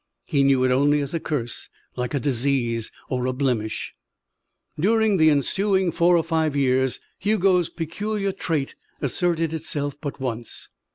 He knew it only as a curse, like a disease or a blemish. During the ensuing four or five years Hugo's peculiar trait asserted itself but once.